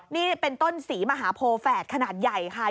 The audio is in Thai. นี่เป็นต้นศรีมหาโพแฝดขนาดใหญ่ค่ะ